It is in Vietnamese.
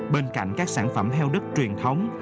bên cạnh các sản phẩm heo đất truyền thống